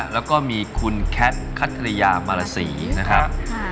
แล้วก็มีคุณแคทคัตริยามารสีนะครับ